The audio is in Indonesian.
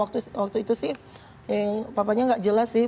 waktu itu sih yang papanya enggak jelas sih